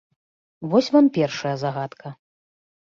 Вось вам першая загадка.